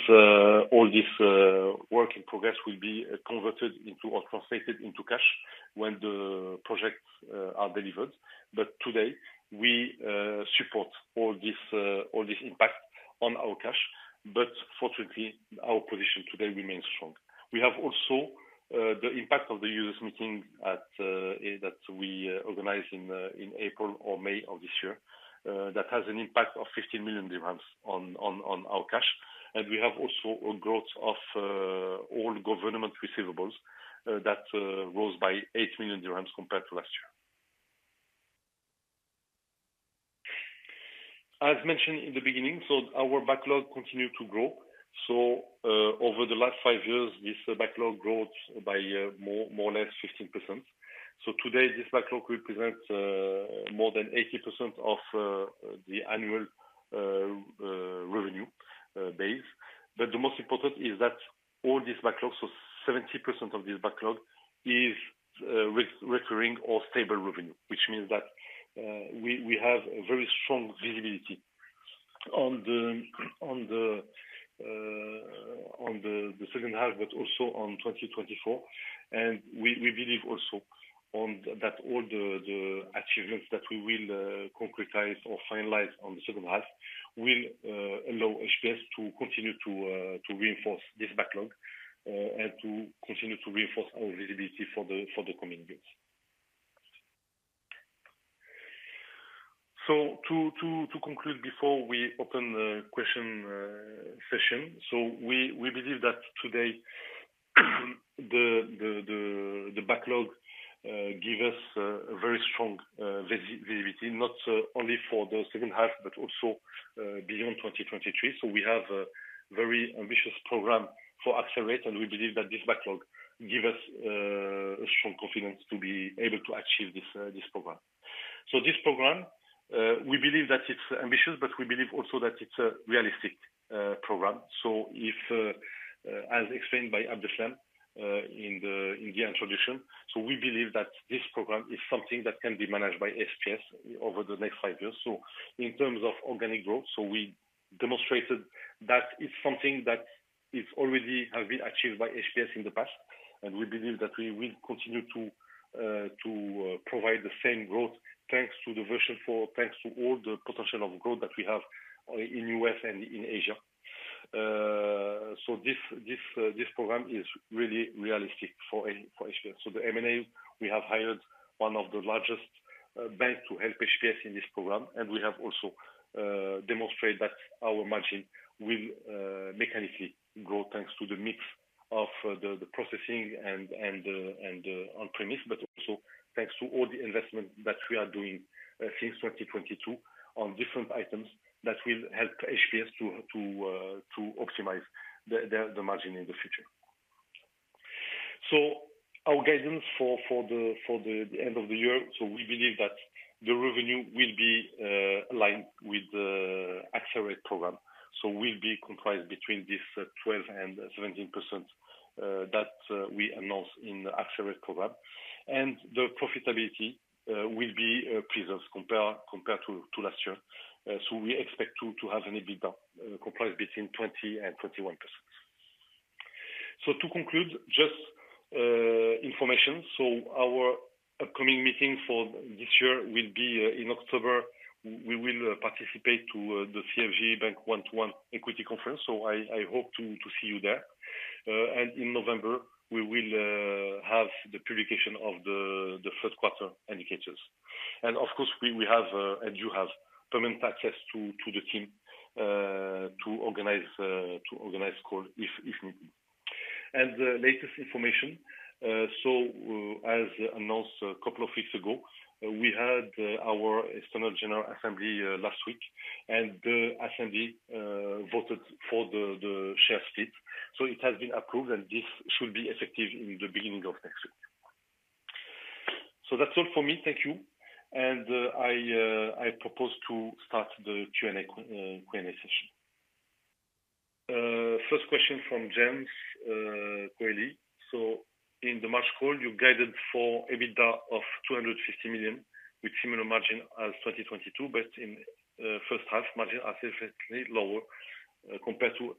work in progress will be converted into or translated into cash when the projects are delivered. Today, we support all this impact on our cash, but fortunately, our position today remains strong. We have also the impact of the users meeting that we organized in April or May of this year that has an impact of MAD 15 million on our cash. We have also a growth of all government receivables that rose by MAD 8 million compared to last year. As mentioned in the beginning, our backlog continued to grow. Over the last five years, this backlog growth by more or less 15%. Today, this backlog represents more than 80% of the annual revenue base. But the most important is that all this backlog, so 70% of this backlog is re-recurring or stable revenue. Which means that we have a very strong visibility on the, on the second half, but also on 2024. We believe also that all the achievements that we will concretize or finalize on the second half will allow HPS to continue to reinforce this backlog and to continue to reinforce our visibility for the coming years. To conclude, before we open the question session, we believe that today, the backlog gives us a very strong visibility, not only for the second half, but also beyond 2023. We have a very ambitious program for Accelerate, and we believe that this backlog gives us a strong confidence to be able to achieve this program. So this program, we believe that it's ambitious, but we believe also that it's a realistic program. So if, as explained by Abdeslam, in the introduction, so we believe that this program is something that can be managed by HPS over the next five years. So in terms of organic growth, so we demonstrated that it's something that is already has been achieved by HPS in the past, and we believe that we will continue to, to provide the same growth thanks to the Version four, thanks to all the potential of growth that we have, in U.S. and in Asia. So this, this, this program is really realistic for, for HPS. The M&A, we have hired one of the largest banks to help HPS in this program, and we have also demonstrated that our margin will mechanically grow, thanks to the mix of the processing and on-premise, but also thanks to all the investment that we are doing since 2022 on different items that will help HPS to optimize the margin in the future. Our guidance for the end of the year, we believe that the revenue will be aligned with the Accelerate program, so will be comprised between this 12%-17% that we announced in the Accelerate program. The profitability will be preserved compared to last year. We expect to have an EBITDA comprised between 20%-21%. To conclude, just information. Our upcoming meeting for this year will be in October. We will participate in the CFG Bank One to One Equity Conference. I hope to see you there. In November, we will have the publication of the first quarter indicators. Of course, we have, and you have, permanent access to the team to organize a call if needed. The latest information, as announced a couple of weeks ago, we had our external general assembly last week, and the assembly voted for the share split. It has been approved, and this should be effective in the beginning of next week. So that's all for me. Thank you. And I propose to start the Q&A session. First question from James Kelly. "So in the March call, you guided for EBITDA of MAD 250 million, with similar margin as 2022, but in first half, margin are significantly lower compared to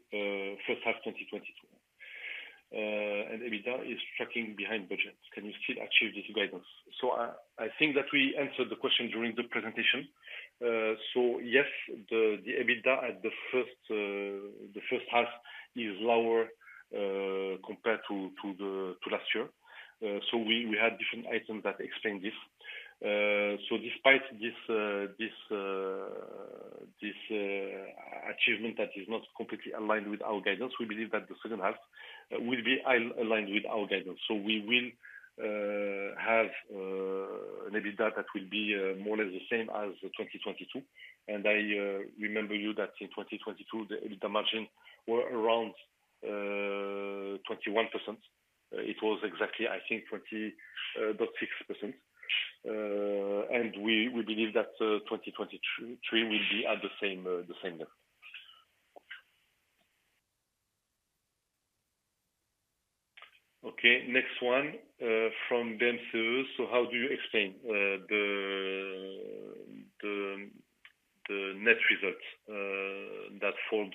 first half 2022. And EBITDA is tracking behind budget. Can you still achieve this guidance?" So I think that we answered the question during the presentation. So yes, the EBITDA at the first half is lower compared to last year. So we had different items that explain this. So despite this achievement that is not completely aligned with our guidance, we believe that the second half will be aligned with our guidance. We will have an EBITDA that will be more or less the same as 2022. I remind you that in 2022, the EBITDA margin were around 21%. It was exactly, I think, 20.6%. We believe that 2023 will be at the same level. Next one from Dounia Demsous: "How do you explain the net results that falls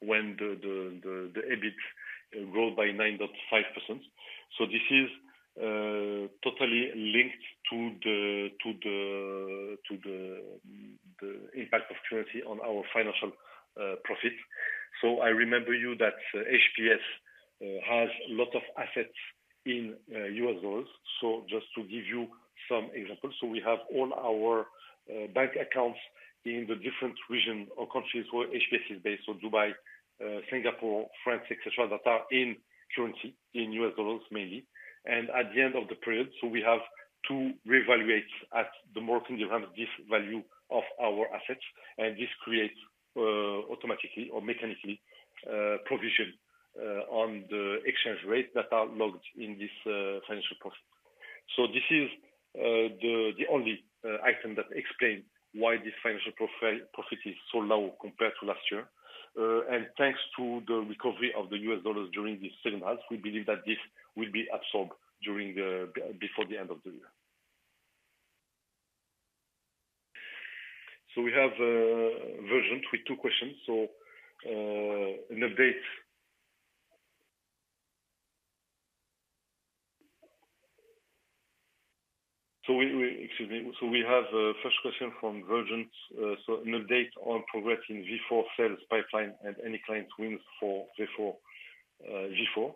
when the EBIT grew by 9.5%? This is totally linked to the... The impact of currency on our financial profit. I remember you that HPS has a lot of assets in U.S. dollars. Just to give you some examples, we have all our bank accounts in the different regions or countries where HPS is based—Dubai, Singapore, France, et cetera—that are in currency, in U.S. dollars mainly. At the end of the period, we have to reevaluate at the market around this value of our assets, and this creates automatically or mechanically a provision on the exchange rates that are logged in this financial profit. This is the only item that explains why this financial profit is so low compared to last year. Thanks to the recovery of the U.S. dollars during this second half, we believe that this will be absorbed during the before the end of the year. So we have Virginie with two questions. So, excuse me. So we have the first question from Virgin. So an update on progress in V4 sales pipeline and any client wins for V4, V4.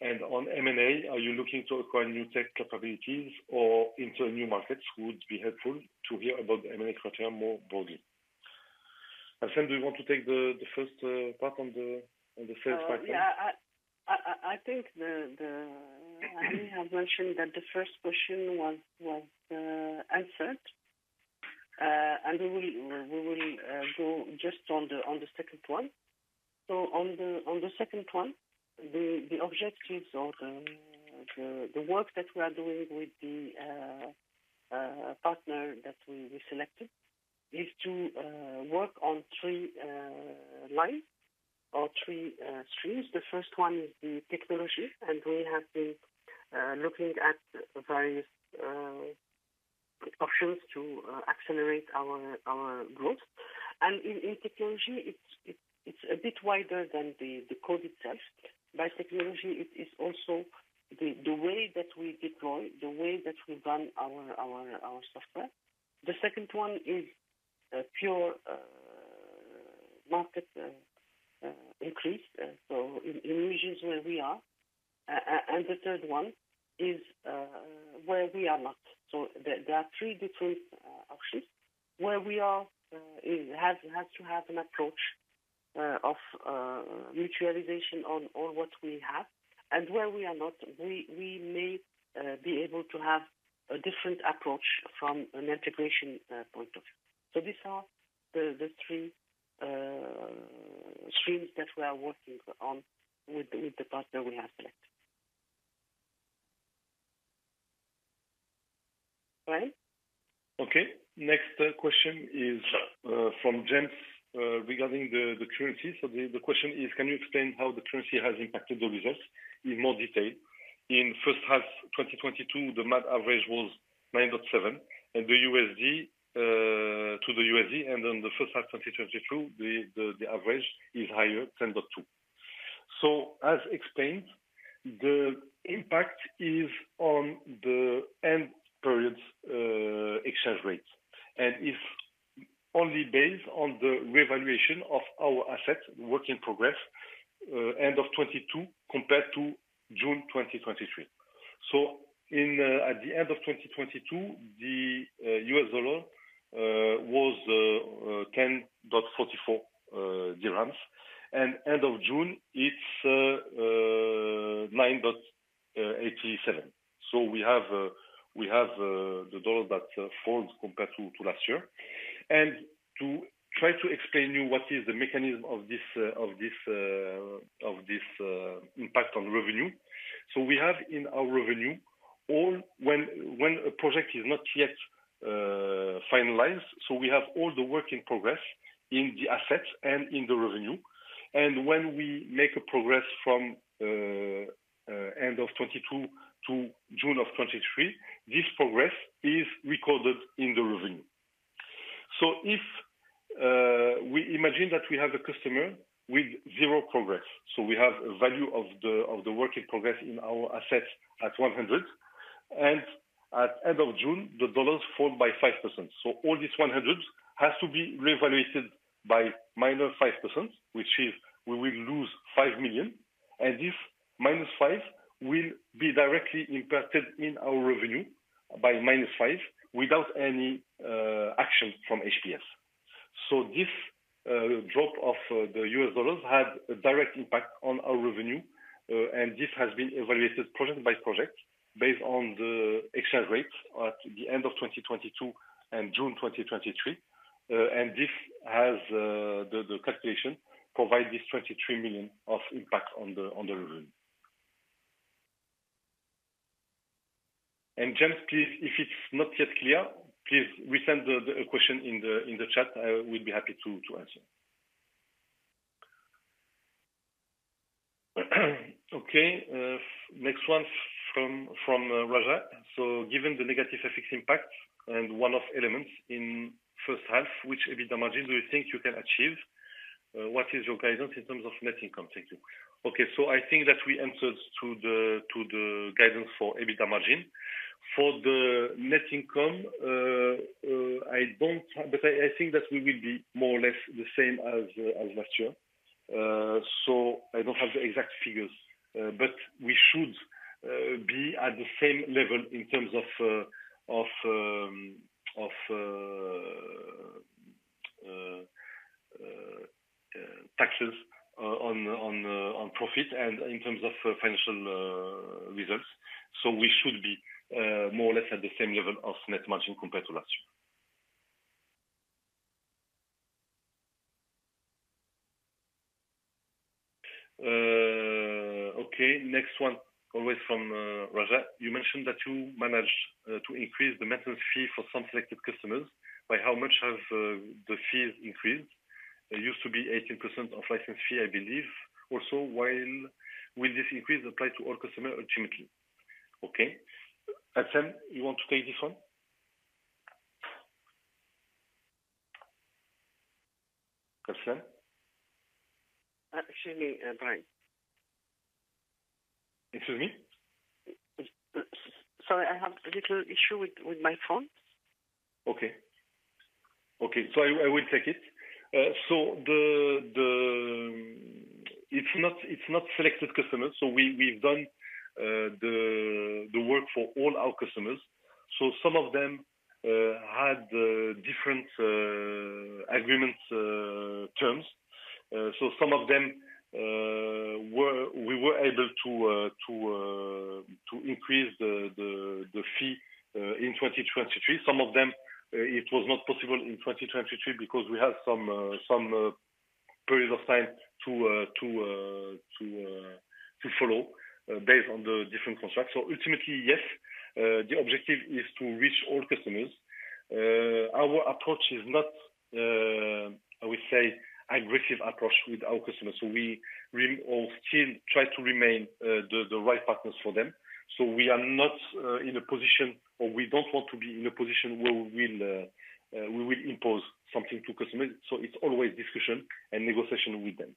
And on M&A, are you looking to acquire new tech capabilities or into new markets? Would be helpful to hear about the M&A criteria more broadly. Abdeslam, do you want to take the first part on the sales pipeline? Yeah, I think the - I have mentioned that the first question was answered, and we will go just on the second one. So on the second one, the objectives or the work that we are doing with the partner that we selected is to work on three lines or three streams. The first one is the technology, and we have been looking at various options to accelerate our growth. And in technology, it's a bit wider than the code itself. By technology, it is also the way that we deploy, the way that we run our software. The second one is pure market increase, so in regions where we are. And the third one is where we are not. So there are three different options. Where we are, it has to have an approach of mutualization on all what we have, and where we are not, we may be able to have a different approach from an integration point of view. So these are the three streams that we are working on with the partner we have selected. Right? Okay. Next question is from James regarding the currency. So the question is, can you explain how the currency has impacted the results in more detail? In first half 2022, the MAD average was 9.7 to the USD, and then the first half 2022, the average is higher, 10.2. So as explained, the impact is on the end periods exchange rate, and is only based on the revaluation of our assets, work in progress end of 2022 compared to June 2023. So at the end of 2022, the U.S. dollar was MAD 10.44, and end of June, it's MAD 9.87. So we have the dollar that falls compared to last year. And to try to explain to you what is the mechanism of this impact on revenue. So we have in our revenue, all when a project is not yet finalized, so we have all the work in progress in the asset and in the revenue. And when we make a progress from end of 2022 to June of 2023, this progress is recorded in the revenue. So if we imagine that we have a customer with zero progress, so we have a value of the work in progress in our asset at $100, and at end of June, the dollar falls by 5%. All this $100 has to be reevaluated by -5%, which is we will lose $5 million, and this -5 will be directly impacted in our revenue by -5 without any action from HPS. This drop of the U.S. dollar had a direct impact on our revenue, and this has been evaluated project by project based on the exchange rate at the end of 2022 and June 2023. This calculation provides this $23 million of impact on the revenue. James, please, if it's not yet clear, please resend the question in the chat. I will be happy to answer. Next one from Raja. So given the negative FX impact and one-off elements in first half, which EBITDA margin do you think you can achieve? What is your guidance in terms of net income? Thank you. Okay, so I think that we answered to the guidance for EBITDA margin. For the net income, I don't. But I think that we will be more or less the same as last year. So I don't have the exact figures, but we should be at the same level in terms of taxes on profit and in terms of financial results. So we should be more or less at the same level of net margin compared to last year. Okay, next one, always from Raja. You mentioned that you managed to increase the maintenance fee for some selected customers. By how much have the fees increased? It used to be 18% of license fee, I believe. Also, will this increase apply to all customers, ultimately? Okay. Abdeslam, you want to take this one? Abdeslam? Actually, Brahim. Excuse me? Sorry, I have a little issue with my phone. Okay. I will take it. It's not selected customers. We have done the work for all our customers. Some of them had different agreement terms. Some of them, we were able to increase the fee in 2023. Some of them, it was not possible in 2023 because we have some period of time to follow based on the different contracts. Ultimately, yes, the objective is to reach all customers. Our approach is not, I would say, aggressive approach with our customers. We still try to remain the right partners for them. We are not in a position, or we don't want to be in a position where we will impose something to customers. It's always discussion and negotiation with them.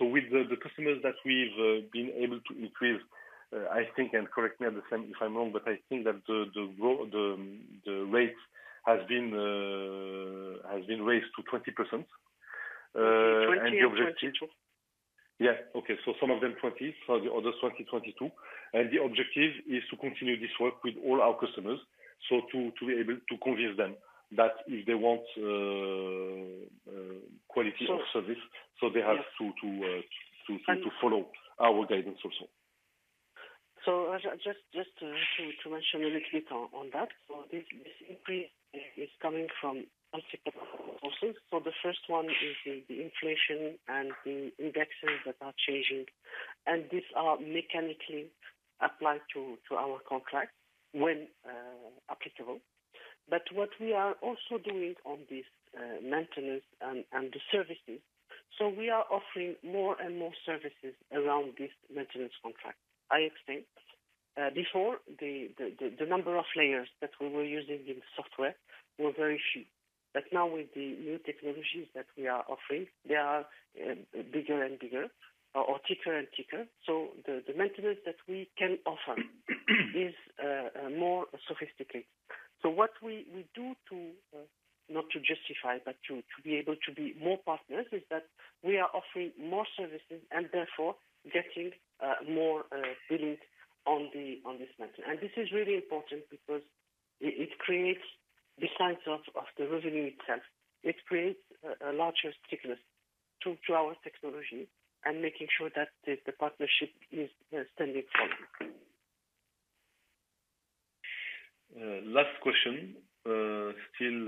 With the customers that we've been able to increase, I think, and correct me if I'm wrong, but I think that the rate has been raised to 20%. The objective— 20%, 22%. Yeah. Okay. So some of them 20%, for the others, 22%. The objective is to continue this work with all our customers. So to be able to convince them that if they want quality of service, so they have to follow our guidance also. So Raja, just to mention a little bit on that. So this increase is coming from multiple sources. So the first one is the inflation and the indexes that are changing, and these are mechanically applied to our contract when applicable. But what we are also doing on this maintenance and the services, so we are offering more and more services around this maintenance contract. I explained before, the number of layers that we were using in software were very few. But now with the new technologies that we are offering, they are bigger and bigger or thicker and thicker. So the maintenance that we can offer is more sophisticated. So what we do to not to justify, but to be able to be more partners, is that we are offering more services and therefore getting more billing on this maintenance. And this is really important because it creates, besides the revenue itself, a larger stickiness to our technology and making sure that the partnership is standing strong. Last question, still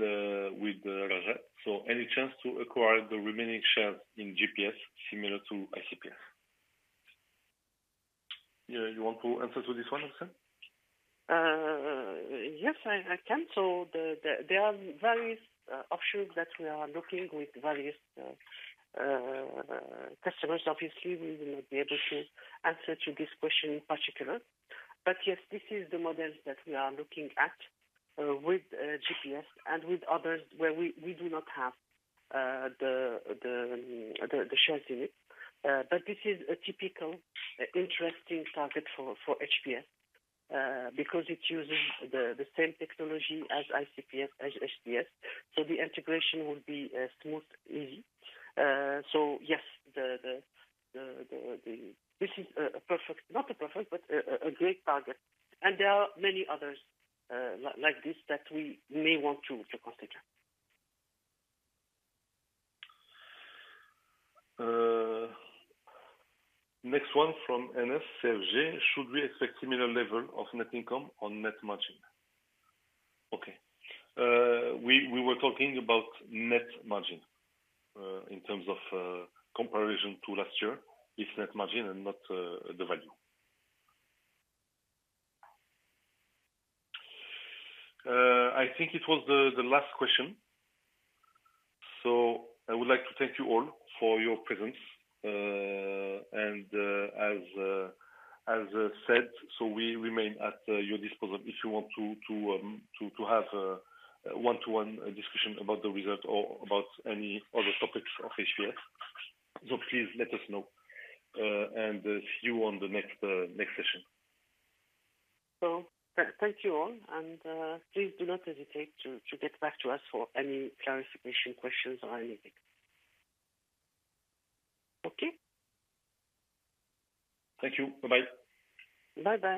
with Raja. So any chance to acquire the remaining shares in GPS similar to ICPS? You want to answer to this one, Abdeslam? Yes, I can. So there are various options that we are looking with various customers. Obviously, we will not be able to answer to this question in particular. But yes, this is the models that we are looking at with GPS and with others where we do not have the shares in it. But this is a typical interesting target for HPS because it's using the same technology as ICPS, as HPS. So the integration will be smooth, easy. So yes, this is a perfect, not a perfect, but a great target. And there are many others like this that we may want to consider. Next one from Anas Serghini. Should we expect similar level of net income or net margin? Okay. We were talking about net margin in terms of comparison to last year, it's net margin and not the value. I think it was the last question. I would like to thank you all for your presence, and as said, we remain at your disposal. If you want to have a one-to-one discussion about the result or about any other topics of HPS, please let us know. See you on the next session. Thank you all, and please do not hesitate to get back to us for any clarification, questions, or anything. Okay? Thank you. Bye-bye. Bye-bye.